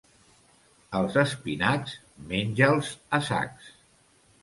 Els espinacs, menja'ls a sacs.